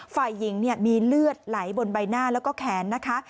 ฝ่ายหญิงมีเลือดไหลบนใบหน้าแล้วก็แขนนะคะ